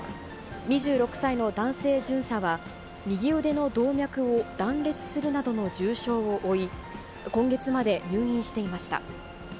２６歳の男性巡査は右腕の動脈を断裂するなどの重傷を負い、今月まで入院していました。